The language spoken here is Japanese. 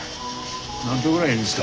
何頭ぐらいいるんですか？